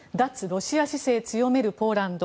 ロシア姿勢強めるポーランド。